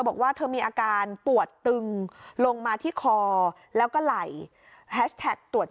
บอกว่าเธอมีอาการปวดตึงลงมาที่คอแล้วก็ไหล่แฮชแท็กตรวจ